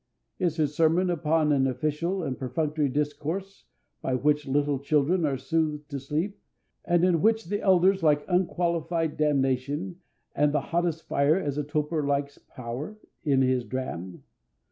Is his sermon upon an official and perfunctory discourse by which little children are soothed to sleep and in which the elders like unqualified damnation and the hottest fire as a toper likes "power" in his dram?